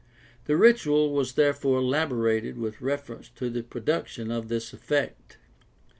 The ritual was therefore elaborated with refer ence to the production of this effect.